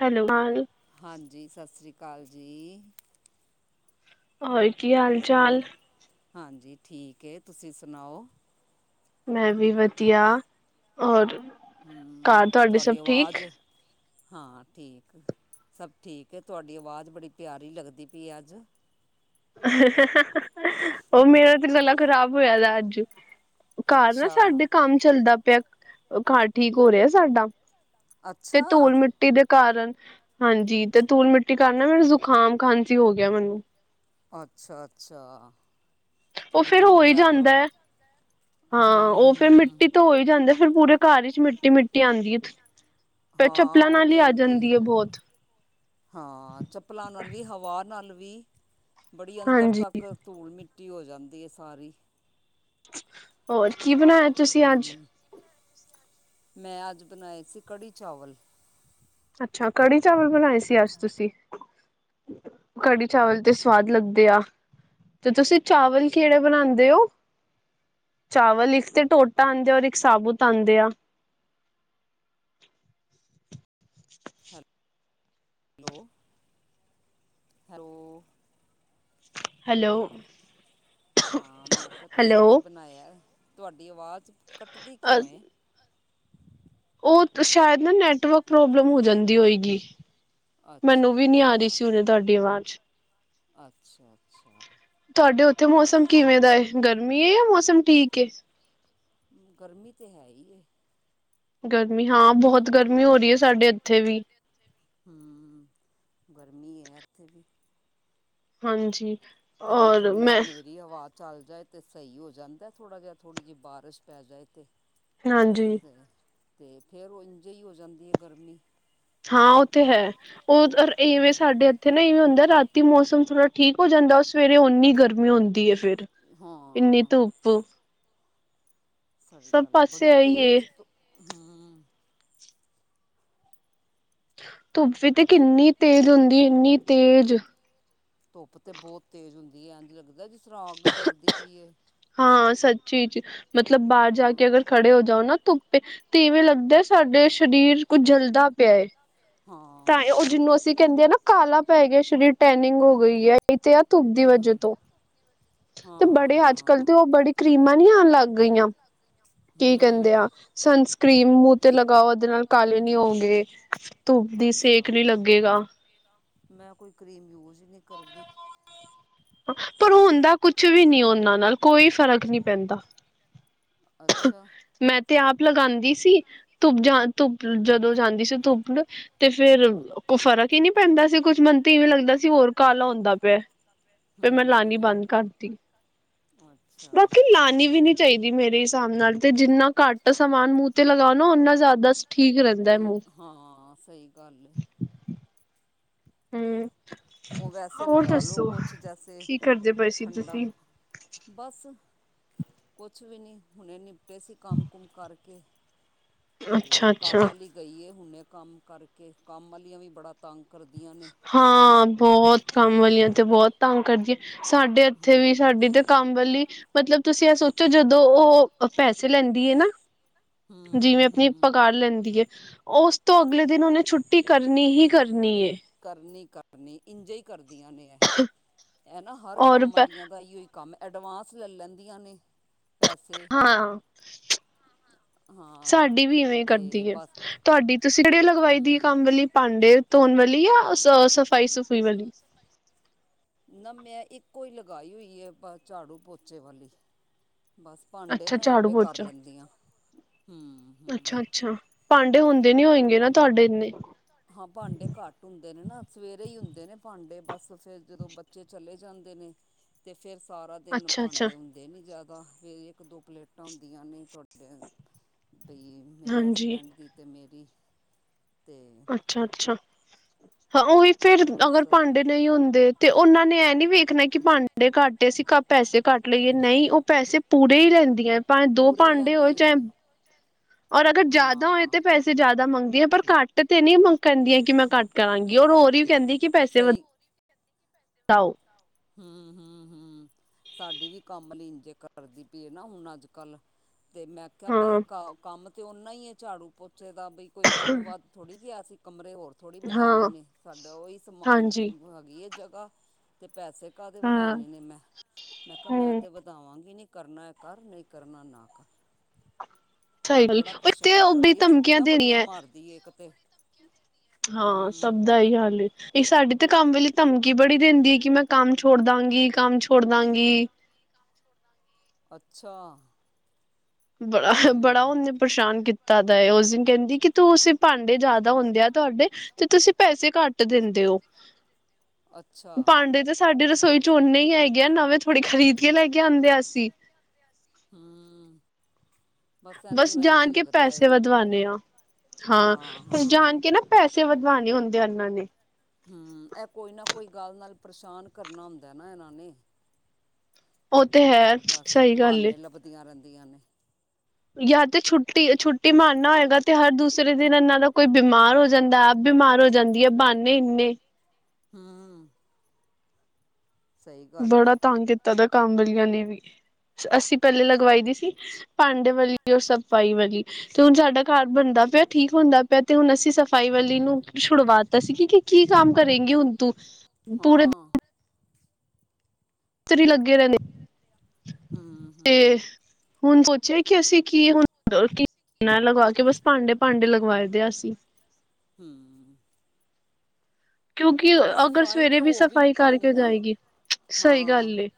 Hello ਹਾਂ ਕਾਲ ਜੀ [unintelligible] ਕੀ ਹਾਲ ਚਾਲ ਠੀਕ ਤੁਸੀਂ ਸੁਣਾਓ ਮੈਂ ਵੀ ਵਧੀਆ ਹੋਰ ਘਰ ਤੁਆਦੇ ਸਭ ਠੀਕ ਹਾਂ ਠੀਕ ਸਭ ਠੀਕ ਹੈ ਤੁਹਾਡੀ ਆਵਾਜ਼ ਬੜੀ ਪਿਆਰੀ ਲੱਗਦੀ ਪਈ ਹੈ ਅੱਜ [unintelligible] ਉਹ ਮੇਰਾ ਤੇ ਗਲਾ ਖ਼ਰਾਬ ਹੋਇਆ ਦਾ ਅੱਜ ਘਰ ਨਾ ਸਾਡੇ ਕੰਮ ਚੱਲਦਾ ਪਿਆ ਘਰ ਠੀਕ ਹੋ ਰਿਹਾ ਸਾਡਾ ਤੇ ਧੂਲ ਮਿੱਟੀ ਦੇ ਕਾਰਨ ਹਾਂਜੀ ਤੇ ਧੂਲ ਮਿੱਟੀ ਕਾਰਨ ਨਾ ਮੇਨੂੰ ਜ਼ੁਕਾਮ ਖਾਂਸੀ ਹੋ ਗਿਆ ਮੈਨੂੰ ਅੱਛਾ ਅੱਛਾ। ਉਹ ਫਿਰ ਹੋ ਹੀ ਜਾਂਦਾ ਹੈ ਹਾਂ ਉਹ ਫਿਰ ਮਿੱਟੀ ਤੋਂ ਹੋ ਹੀ ਜਾਂਦਾ ਫਿਰ ਪੂਰੇ ਘਰ ਹੀ ਚ ਮਿੱਟੀ ਮਿੱਟੀ ਆਉਂਦੀ ਫਿਰ ਚੱਪਲਾਂ ਨਾਲ ਹੀ ਆ ਜਾਂਦੀ ਹੈ ਬਹੁਤ ਹਾਂ ਚੱਪਲਾਂ ਨਾਲ ਵੀ ਹਵਾ ਨਾਲ ਵੀ ਬੜੀ ਅੰਦਰ ਤੱਕ ਧੂਲ ਮਿੱਟੀ ਮਿੱਟੀ ਹੋ ਜਾਂਦੀ ਐ ਸਾਰੀ [unintelligible] ਹੋਰ ਕੀ ਬਣਾਇਆ ਤੁਸੀਂ ਅੱਜ ਮੈਂ ਅੱਜ ਬਣਾਏ ਸੀ ਕੜੀ ਚਾਵਲ ਅੱਛਾ ਕੜੀ ਚਾਵਲ ਬਣਾਏ ਸੀ ਅੱਜ ਤੁਸੀਂ ਕੜੀ ਚਾਵਲ ਤੇ ਸਵਾਦ ਲੱਗਦੇ ਆ ਤੇ ਤੁਸੀਂ ਚਾਵਲ ਕਿਹੜੇ ਬਣਾਂਦੇ ਹੋ। ਚਾਵਲ ਇੱਕ ਤੇ ਟੋਟਾ ਆਂਦੇ ਔਰ ਇੱਕ ਸਾਬੁਤ ਆਂਦੇ ਆ ਹੈਲੋ ਹੈਲੋ ਹੈਲੋ ਹਾਂ ਮੈਂ ਕਿਆ ਤੁਸੀਂ ਕੀ ਬਣਾਇਆ? ਤੁਹਾਡੀ ਆਵਾਜ਼ ਕੱਟਦੀ ਕਿਉਂ ਏ ਉਹ ਸ਼ਾਇਦ ਨਾ ਨੈਟਵਰਕ ਪ੍ਰੋਬਲਮ ਹੋ ਜਾਂਦੀ ਹੋਏਗ ਗੀ ਮੈਨੂੰ ਵੀ ਨਈਂ ਆ ਰਹੀ ਸੀ ਹੁਣੇ ਤੁਹਾਡੀ ਆਵਾਜ਼ ਅੱਛਾ ਅੱਛਾ। ਤੁਹਾਡੇ ਉੱਥੇ ਮੌਸਮ ਕਿਵੇਂ ਦਾ ਗਰਮੀ ਐ ਜਾਂ ਮੌਸਮ ਠੀਕ ਐ। ਗਰਮੀ ਤੇ ਹੈ ਈ ਗਰਮੀ ਹਾਂ ਬਹੁਤ ਗਰਮੀ ਹੋ ਰਹੀ ਐ ਸਾਡੇ ਇੱਥੇ ਵੀ। ਹੂਂ ਗਰਮੀ ਹੈ ਉੱਥੇ ਵੀ ਹਾਂਜੀ। ਕਦੀ ਥੋੜੀ ਹਨੇਰੀ ਹਵਾ ਚੱਲ ਜਾਏ ਤੇ ਸਹੀ ਹੋ ਜਾਂਦਾ ਥੋੜਾ ਜਿਹਾ ਥੋੜ੍ਹੀ ਜਿਹੀ ਬਾਰਿਸ਼ ਪੈ ਜਾਏ ਤੇ ਹਾਂਜੀ। ਅਤੇ ਫਿਰ ਉਹ ਇੰਝਹੀ ਹੋ ਜਾਂਦੀ ਐ, ਗਰਮੀ। ਹਾਂ, ਉਹ ਤੇ ਹੈ। ਉਹ ਇਵੇਂ ਸਾਡੇ ਇੱਥੇ ਨਾ ਵੇ ਹੁੰਦਾ ਰਾਤ ਦੀ ਮੌਸਮ ਥੋੜਾ ਠੀਕ ਹੋ ਜਾਂਦਾ, ਸਵੇਰੇ ਉਨੀਂ ਗਰਮੀ ਹੁੰਦੀ ਐ ਫਿਰ ਇੰਨੀ ਧੁਪ ਸਾਰੀ ਗੱਲ ਐ, ਬੜੀ ਤੇਜ ਧੁੱਪ [inaudible] ਧੁੱਪ ਤੇ ਕਿੰਨੀ ਤੇਜ਼ ਹੁੰਦੀ ਇੰਨੀ ਤੇਜ਼ ਧੁੱਪ ਤੇ ਬਹੁਤ ਤੇਜ਼ ਹੁੰਦੀ ਐ, ਇਝ ਲੱਗਦਾ ਜੀਸ ਸੁਰਾਗ ਬਲਦੀ ਪਈ ਐ। ਹਾਂ ਸੱਚੀ ਚ ਮਤਲਬ ਬਾਹਰ ਜਾ ਕੇ ਅਗਰ ਖੜੇ ਹੋ ਜਾਓ ਨਾ ਧੁੱਪੇ ਤੇ ਇਵੇਂ ਲੱਗਦਾ ਸਾਡੇ ਸਰੀਰ ਕੁਝ ਜਲਦਾ ਪਿਆ ਹੈ ਤਾਂ ਉਹ ਜਿਹਨੂੰ ਅਸੀਂ ਕਹਿੰਦੇ ਆ ਨਾ ਕਾਲਾ ਪੈ ਗਿਆ ਸਰੀਰ ਟੈਨਿੰਗ ਹੋ ਗਈ ਆ ਤੇ ਧੁੱਪ ਦੀ ਵਜਾ ਤੋਂ ਬੜੇ ਅੱਜ ਕੱਲ੍ਹ ਤੇ ਉਹ ਬੜੀ ਕਰੀਮਾਂ ਨੀ ਆਉਣ ਲੱਗ ਗਈਆਂ ਕੀ ਕਹਿੰਦੇ ਆ ਸਨਸਕ੍ਰਰੀਨ ਮੂੰਹ ਤੇ ਲਗਾਓ ਉਹਦੇ ਨਾਲ ਕਾਲੇ ਨੀ ਹੋਗੇ ਤੇ ਸੇਕ ਨੀ ਲੱਗੇਗਾ ਮੈਂ ਕੋਈ ਕਰੀਮ ਯੂਜ ਹੀ ਨਹੀਂ ਕਰਦੀ ਪਰ ਹੁਣ ਦਾ ਕੁਛ ਵੀ ਨਹੀਂ ਉਹਨਾਂ ਨਾਲ ਕੋਈ ਫ਼ਰਕ ਨਹੀਂ ਪੈਂਦਾ ਮੈਂ ਤੇ ਆਪ ਲਗਾਉਂਦੀ ਸੀ ਧੁੱਪ ਜਾਣ ਤੋ ਪਹਿਲਾ ਜਦੋਂ ਜਾਂਦੀ ਸੀ ਧੁੱਪ ਤੇ ਫੇਰ ਫਰਕ ਹੀ ਨਹੀਂ ਪੈਂਦਾ ਸੀ ਕੁਝ ਮਨ ਤੇ ਇਵੇਂ ਲੱਗਦਾ ਸੀ ਹੋਰ ਕਾਲਾ ਹੁੰਦਾ ਪਿਆ ਤੇ ਮੈਂ ਲਾਉਣੀ ਬੰਦ ਕਰਤੀ ਬਾਕੀ ਲਾਉਣੀ ਵੀ ਨੀ ਚਾਹੀਦੀ ਮੇਰੀ ਤੇ ਜਿੰਨਾ ਘੱਟ ਸਮਾਨ ਮੂੰਹ ਤੇ ਲਗਾਓ ਉਨਾ ਜ਼ਿਆਦਾ ਠੀਕ ਰਹਿੰਦਾ ਹੈ ਮੂੰਹ ਹੂ ਉਹ ਵੈਸੇ ਲਗਾ ਲੋ ਕੁਛ ਜੈਸੇ ਠੰਡਾ ਬਸ ਕੁਛ ਵੀ ਨਹੀਂ ਹੁਣੇ ਨਿਪਟੇ ਸੀ ਕੰਮ ਕੁਮ ਕਰਕੇ। ਤੇ ਕੰਮ ਵਾਲੀ ਗਈ ਹੇ। ਹੁਨੇ ਕੰਮ ਕਰਕੇ ਕੰਮ ਵਾਲੀਆਂ ਵੀ ਬੜਾ ਤੰਗ ਹਾਂ ਬਹੁਤ ਕੰਮ ਵਾਲੀਆਂ ਤੇ ਬਹੁਤ ਤਾਂਗ ਕਰਦੀਏ ਸਾਡੇ ਇੱਥੇ ਵੀ ਸਾਡੀ ਤੇ ਕੰਮ ਵਾਲੀ ਮਤਲਬ ਤੁਸੀਂ ਇਹ ਸੋ ਚ ਜਦੋਂ ਉਹ ਪੈਸੇ ਲੈਂਦੀ ਹੈ ਨਾ। ਜਿਵੇਂ ਆਪਣੀ ਪਗਾਰ ਲੈਂਦੀ ਹੈ ਉਸ ਤੋ ਅਗਲੇ ਦਿਨ ਉਹਨੇ ਛੁੱਟੀ ਕਰਨੀ ਹੀ ਕਰਨੀ ਹੈ। ਕਰਨੀ ਹੀ ਕਰਨੀ। ਇੰਝ ਹੀ ਕਰਦੀਆਂ ਨੇ ੲੈ। ਹੈ ਨਾ ਹਰ ਕੰਮ ਵਾਲੀਆਂ ਦਾ ਐਇਯੌਈ ਕੰਮ ਐਡਵਾਂਸ ਲੈਲਨ ਦੀਆਂ ਨੇ। ਹਾਂ, ਸਾਡੀ ਵੀ ਇਵੇਂ ਕਰਦੀ ਹੈ ਤੁਹਾਡੀ ਤੁਸੀਂ ਕਿਹੜੇ ਲਗਵਾਈ ਦੀ ਕੰਮ ਵਾਲੀ, ਭਾਂਡੇ ਧੋਣ ਵਾਲੀ ਵਾਲੀ ਆ ਸਫ਼ਾਈ ਸੁਫਾਈ ਵਾਲੀ। ਨਾ ਮੈਂ ਇੱਕੋ ਹੀ ਲਗਾਈ ਹੋਈ ਹੈ ਝਾੜੂ ਪੋਚੇ ਵਾਲੀ। ਬਸ ਭਾਂਡੇ ਮੈਂ ਆਪੇ ਕਰ ਲੈਂਦੀ ਆਂ ਹੂੰ ਅੱਛਾ ਅੱਛਾ ਭਾਂਡੇ ਹੁੰ ਹਾਂ ਭਾਂਡੇ ਘੱਟ ਹੁੰਦੇ ਨੇ ਨਾ ਸਵੇਰੇ ਹੀ ਹੁੰ ਦੇ ਨੇ ਭਾਂਡੇ ਬਸ ਫੇਰ ਜਦੋਂ ਬੱਚੇ ਚਲੇ ਜਾਂਦੇ ਨੇ ਤੇ ਫੇਰ ਸਾਰਾ ਦਿਨ ਭਾਂਡੇ ਹੁੰਦੇ ਨੀ ਜਿਆਦਾ। ਫਿਰ ਇੱਕ ਦੋ ਪਲੇਟਾਂ ਹੁੰਦੀਆਂ ਨੇ ਤੁਹਾਡੇ ਬਈ ਮੇਰੇ ਹਸਬੈਂਡ ਦੀ ਤੇ ਮੇਰੀ। ਅੱਛਾ ਅੱਛਾ ਹਾਂ ਉਹੀ ਫੇਰ ਅਗਰ ਭਾਂਡੇ ਨਹੀਂ ਹੁੰਦੇ ਤੇ ਉਹਨਾਂ ਨੇ ਇਹ ਨੀ ਵੇਖ ਣਾ ਕਿ ਭਾਂਡੇ ਕੱਟ ਅਸੀਂ ਪੈਸੇ ਕੱਟ ਲਈਏ ਨਹੀਂ ਉਹ ਪੈਸੇ ਪੂਰੇ ਹੀ ਲੈਂਦੀਆਂ ਭਾਵੇ ਦੋ ਭਾਂਡੇ ਹੋਏ ਚਾਹੇ ਔਰ ਅਗਰ ਜਿਆਦਾ ਹੋਏ ਤੇ ਪੈਸੇ ਜਿਆਦਾ ਮੰਗਦੀਆਂ, ਪਰ ਕੱਟ ਤੇ ਨੀ ਕਹਿੰਦੀਆਂ ਕਿ ਮੈਂ ਕੱਟ ਕਰਾਂਗੀ ਰ ਹੋਰ ਵੀ ਕਹਿੰਦੀ ਕੀ ਪੈਸੇ ਵਧ ਧਾਓ ਹੂੰ ਹੂੰ ਹੂੰ ਸਾਡੇ ਵੀ ਕੰਮ ਵਾਲੀ ਇੰਜੇ ਕਰਦੀ ਪਈ ਹੈ ਨਾ ਹੁਣ ਅੱਜ ਕੱਲ ਤੇ ਮੈਂ ਕਿਹਾ ਵੀ ਕੰਮ ਕੰਮ ਤੇ ਉਨ੍ਹਾਂ ਹੀ ਝਾੜੂ ਪੁੱ ਚੇ ਦਾ ਵੀ ਕੋਈ ਕੰਮ ਵੱਧ ਥੋੜ੍ਹੀ ਕਿਹਾ ਸੀ ਕਮਰੇ ਹੋਰ ਥੋੜ੍ਹੀ ਬਣਾ ਲੈਣੇ ਸਾਡਾ ਉਹੀ ਸਮ ਅ ਹੈਗੀ ਹੈ ਜਗ ਪੱਕਾ ਪੈਸੇ ਕਾਦੇ ਵਧਾਣੇ ਨੇ ਮੈਂ, ਮੈਂ ਕਿਹਾ ਮੈਂ ਤੇ ਵਧਾਵਾਂਗੀ ਨੀ ਕਰਨਾ ਕਰ, ਨਹੀਂ ਕਰਨਾ ਨਾ ਕਰ। ਬੜਾ ਪਰੇਸ਼ਾਨ ਕਰਦੀ ਛੁੱਟੀਆਂ ਬੜੀਆਂ ਮਾਰਦੀ ਇੱਕ ਤੇ ਹਾਂ ਸਭ ਦਾ ਇਹੀ ਹਾਲ ਏ, ਇਕ ਸਾਡੇ ਤੇ ਕੰਮ ਵੇਲੇ ਧਮਕੀ ਬੜੀ ਦਿੰਦੀ ਐ ਕਿ ਮੈਂ ਕੰਮ ਛੋੜ ਦਾਂਗੀ ਕੰਮ ਛੋੜ ਦਾਂਗੀ ਅੱਛਾ। ਬੜਾ ਬੜਾ ਉਹਨੇ ਪਰੇਸ਼ਾਨ ਕੀ ਤਾ ਦਾ ਉਸ ਦਿਨ ਕਹਿੰਦੀ ਕਿ ਤੁੂੰਸੀਂ ਭਾਂਡੇ ਜਿਆਦਾ ਹੁੰਦੇ ਆ ਤੁਹਾਡੇ ਤੇ ਤੁਸੀਂ ਪੈਸੇ ਘੱਟ ਦਿੰਦੇ ਓ। ਭਾਂਡੇ ਤੇ ਸਾਡੀ ਰਸੋਈ ਰਸੋਈ ਝੋਨੇ ਹੀ ਹੈਗੇ ਆ ਨਵੇਂ ਥੋੜੇ ਖ਼ਰੀਦ ਕੇ ਲੈ ਕੇ ਆਂਦੇ ਆ ਅਸੀਂ ਹੂੰ। ਬਸ ਜਾਣ ਕੇ ਪੈਸੇ ਵਧਵਾਉਣੇ ਆ ਹਾਂ ਪਰ ਜਾਣ ਕੇ ਨਾ ਪੈਸੇ ਵਧਵਾਉਣੇ ਹੁੰਦੇ ਆ ਇਹਨਾਂ ਨੇ ਗੱਲ ਨਾਲ ਪਰੇਸ਼ਾਨ ਕਰਨਾ ਹੁੰਦਾ ਨਾ ਇਹਨਾਂ ਨੇ ਉਹ ਤੇ ਹੈ ਸਹੀ ਗੱਲ ਏ। ਰੇਂਦੀਆ ਨੇ। ਯਾ ਤੇ ਛੁੱਟੀ, ਛੁੱਟੀ ਮਾਰਨਾ ਹੋਏਗਾ ਤੇ ਹਰ ਦੂਸਰੇ ਦਿਨ ਇਹਨਾਂ ਦਾ ਕੋਈ ਬਿਮਾਰ ਹੋ ਜਾਂਦਾ ਆਪ ਬਿਮਾਰ ਹੋ ਜਾਂਦੀ ਏ, ਬਹਾਨੇ ਇੰਨੇ ਹੂੰ। ਬੜਾ ਤੰਗ ਕੀ ਤਾ ਦਾ ਕੰਮ ਵਾਲੀਆਂ ਨੇ ਵੀ ਅਸੀਂ ਪਹਿਲੇ ਲਗਵਾਈ ਦੀ ਸੀ ਭਾਂਡੇ ਵਾਲੀ ਔਰ ਸਫਾਈ ਵਾਲੀ ਤੇ ਹੁਣ ਸਾਡਾ ਘਰ ਬਣਦਾ ਪਿਆ ਠੀਕ ਹੁੰਦਾ ਪਿਆ ਤੇ ਹੁਣ ਅਸੀਂ ਸਫ਼ਾਈ ਵਾਲੀ ਨੂੰ ਛੁੜਵਾਤਾ ਸੀ ਕਿ ਕੀ ਕੰਮ ਕਰੇਗੀ ਹੁਣ ਤੂੰ ਪੂਰੇ ਦਿਨ ਮਿਸਤਰੀ ਲੱਗੇ ਦੇ ਨੇ ਤੇ ਹੁਣ ਸੋਚਿਆ ਕਿ ਅਸੀਂ ਕੀ ਹੁਣ ਲਗਾ ਕੇ ਬਸ ਭਾਂਡੇ ਭਾਂਡੇ ਲਗਵਾਏਦੇ ਅਸੀਂ ਹੂੰ। ਕਿਉਂਕਿ ਅਗਰ ਸਵੇਰੇ ਵੀ ਸਫ਼ਾਈ ਕਰਕੇ ਜਾਏਗੀ ਸਹੀ ਗੱਲ ਏ।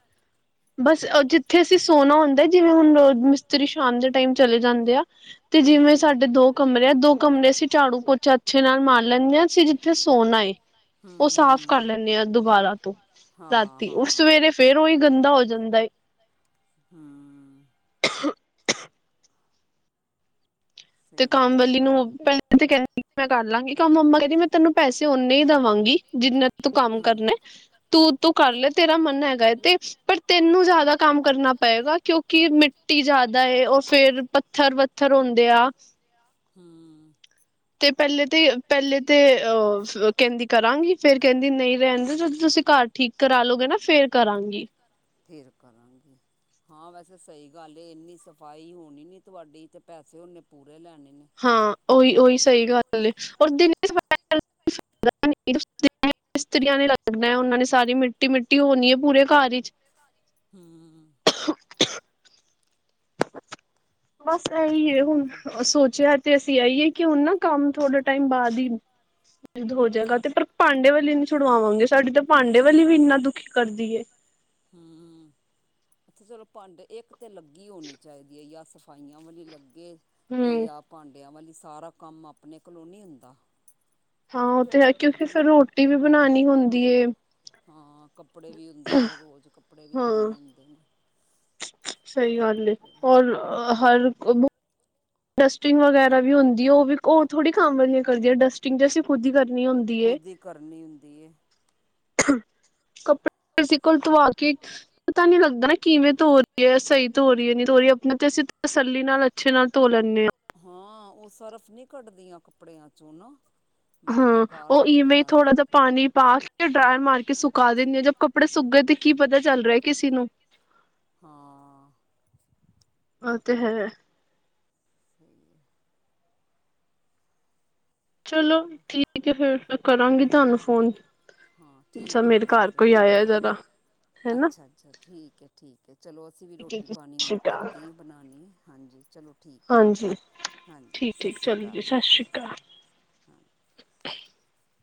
ਬਸ ਜਿੱਥੇ ਅਸੀਂ ਸੋਨਾ ਹੁੰਦਾ ਜਿਵੇਂ ਹੁਣ ਰ ਮਿਸਤਰੀ ਸ਼ਾਮ ਦੇ ਟਾਈਮ ਚਲੇ ਜਾਂਦੇ ਆ ਤੇ ਜਿਵੇਂ ਸਾਡੇ ਦੋ ਕਮਰੇ ਆ ਦੋ ਕਮਰੇ ਏਸੀਂ ਝਾੜੂ ਪੋਚਾ ਅੱਛੇ ਨਾਲ ਮਾਰ ਲੈਂਦੇ ਹਾਂ, ਅਸੀਂ ਜਿੱਥੇ ਸੋਣਾ ਏ। ਉਹ ਸਾਫ਼ ਕਰ ਲੈਂਣੇ ਆਾ ਦੁਬਾਰਾ ਤੋਂ ਰਾਤੀ, ਔਰ ਸਵੇਰੇ ਫੇਰ ਉਹੀ ਗੰਦਾ ਹੋ ਜਾਂਦਾ ਏ। [inaudible] ਤੇ ਕੰਮ ਵਾਲੀ ਨੂੰ ਪਹਿਲਾ ਤੇ ਕਹਿੰਦੇ। ਮੈਂ ਕਰਲਾਂਗੀ ਕੰਮ ਮੰਮਾ ਕਹਿੰਦੀ ਮੈਂ ਤੈਨੂੰ ਪੈਸੇ ਓਨੇ ਹੀ ਦੇਵਾਂਗੀ ਜਿੰਨਾ ਤੂੰ ਕੰਮ ਕਰਨਾ ਤੂੰ ਤੂੰ ਕਰ ਲੈ। ਰਾ ਮਨ ਹੈਗਾ ਹੈ ਤੇ ਪਰ ਤੈਨੂੰ ਜ਼ਿਆਦਾ ਕੰਮ ਕਰਨਾ ਪਏਗਾ, ਕਿਉਂਕਿ ਮਿੱਟੀ ਜਿਆਦਾ ਉਹ ਫੇਰ ਪੱਥਰ ਵੱਥਰ ਹੁੰਦੇ ਆ। ਹੂੰ ਤੇ ਪਹਿਲੇ ਤੇ ਪਹਿਲੇ ਤੇ ਅ ਕਹਿੰਦੀ ਕਰਾਂਗੀ, ਫ਼ਿਰ ਕਹਿੰਦੀ ਨਹੀਂ ਰਹਿਣਦੋ, ਜਦੋਂ ਤੁਸੀਂ ਘਰ ਠੀਕ ਕਰਾਲੋਗੇ ਨਾ ਫੇਰ ਕਰਾਂਗੀ। ਫਿਰ ਕਰਾਂਗੇ ਹਾਂ ਵੈਸੇ ਸਹੀ ਗੱਲ ਇੰਨੀ ਸਫ਼ਾਈ ਹੋਣੀ ਨੀ ਤੁਹਾਡੀ ਤੇ ਪੈਸੇ ਨੇ ਪੂ ਹਾਂ ਉਹੀ ਉਹੀ ਸਹੀ ਗੱਲ ਹੈ, ਔਰ ਦਿਨੇ ਸਫ਼ਾਈ ਮਿਸਤਰੀਆਂ ਨੇ ਲੱਗਣਾ ਉਹਨਾ ਨੇ ਸਾਰੀ ਮਿੱਟੀ ਮਿੱਟੀ ਹੋਣੀ ਹੈ ਪੂਰੇ ਘਰ ਵਿਚ। ਹੂੰ ਬਸ। ਇਹੀ ਹੈ ਹੁਣ ਸੋਚਿਆ। ਤੇ ਅਸੀਂ ਆਈਏ ਕਿ ਹੁਣ ਨਾ ਕੰਮ ਥੋੜਾ ਟਾਈਮ ਬਾਅਦ ਹੀ ਬੰਦ ਹੋ ਜਾਏਗਾ, ਅਤੇ ਤੇ ਪਰ ਭਾਂਡੇ ਵਾਲੀ ਨਹੀਂ ਛੁਡਵਾਵਾਂਗੇ, ਸਾਡੀ ਤਾਂ ਭਾਂਡੇ ਵਾਲੀ ਵੀ ਇੰਨਾ ਦੁਖੀ ਕਰਦੀ ਹੈ। ਹੂੰ ਅੱਛਾ ਚਲੋ ਭਾਂਡੇ ਇੱਕ ਤੇ ਲੱਗੀ ਹੋਣੀ ਚਾਹੀਦੀ ਹੈ ਜਾਂ ਸਫਾਈਆਂ ਵਾਲੀ ਲੱਗੇ। ਤੇ ਯਾ ਭਾਂਡਿਆਂ ਵਾਲੀ। ਸਾਰਾ ਕੰਮ ਆਪਣੇ ਕੋਲੋ ਨੀ ਹੁੰਦਾ। ਹਾਂ ਉਹ ਤੇ ਕਿਉਂਕਿ ਫਿਰ ਰੋਟੀ ਵੀ ਬਣਾਉਣੀ ਹੁੰਦੀ ਏ। ਹਾਂ। ਕੱਪੜੇ ਵੀ ਹੁੰਦੇ ਨੇ ਰੋਜ਼ ਕਪੜੇ ਵੀ ਧੋਣੇ ਹੁੰਦੇ ਨੇ। ਸਹੀ ਗੱਲ ਏ ਹੋਰ ਅ ਹਰ ਕੋ ਡਸਟਿੰਗ ਵਗੈਰਾ ਵੀ ਹੁੰਦੀ ਹੈ, ਉਹ ਵੀ ਹੋਰ ਥੋੜੀ ਕੰਮ ਵਾਲੀਆਂ ਘਰ ਦੀ ਹ ਡਸਟਿੰਗ 'ਚ ਅਸੀਂ ਖੁਦ ਹੀ ਕਰਨੀ ਹੁੰਦੀ ਹੈ। ਕੱਪੜੇ। ਕਿਸੀ ਕੋਲ ਧਵਾ ਕੇ ਪਤਾ ਨੀ ਲੱਗਦਾ ਨਾ। ਕਿਵੇਂ ਧੋ ਰਹੀ ਹੈ, ਸਹੀ ਧੋ ਰਹੀ ਹੈ ਨੀ ਧੋ ਰਹੀ, ਆਪਣਾ ਤੇ ਅਸੀਂ ਤਸੱਲੀ ਨਾਲ ਅੱਛੇ ਨਾਲ ਧੋ ਲੈਨੇ ਆ ਹਾਂ ਉਹ ਸਰਫ ਨਹੀਂ ਕੱਢਦੀਆਂ ਕੱਪੜਿਆਂ ਚੋਂ ਨਾ। ਹਾਂ ਓ ਇਵੇਂ ਥੋੜ੍ਹਾ ਜਾ ਪਾਣੀ ਪਾ ਕੇ ਡਰਾਏ ਮਾਰ ਕੇ ਸੁਕਾ ਦਿੰਨੀ ਆ ਜੋ ਕੱਪੜੇ ਸੁਕਗੇ ਤੇ ਕੀ ਪਤਾ ਚੱਲ ਰਿਹਾ ਕਿਸੇ ਨੂੰ? ਓ ਤੇ ਹੈ। ਸਹੀ ਹੈ। ਚਲੋ ਹਾਂ ਹਾਂ ਠੀਕ ਹੈ ਠੀਕ ਹੈ ਠੀਕ ਹੈ ਅੱਛਾ ਅੱਛਾ ਠੀਕ ਹੈ ਠੀਕ ਹੈ ਚਲੋ ਅਸੀ ਵੀ ਰੋਟੀ ਪਾਣੀ ਹੁਣ ਕਰਦੀ ਆ ਬਣਾਣੀ ਏ। ਹਾਂਜੀ ਚਲੋ ਹਾਂਜੀ ਠੀਕ ਠੀਕ ਚਲੋ ਜੀ ਸ਼ਸ਼ ਸ਼੍ਰੀ ਕਾਲ [inaudible]